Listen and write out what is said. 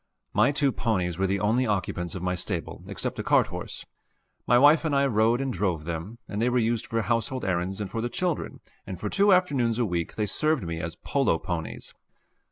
My two ponies were the only occupants of my stable except a cart horse. My wife and I rode and drove them, and they were used for household errands and for the children, and for two afternoons a week they served me as polo ponies.